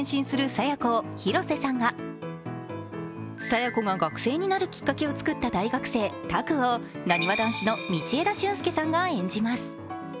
佐弥子を広瀬さんが佐弥子が学生になるきっかけを作った大学生・拓を、なにわ男子の道枝駿佑さんが演じます。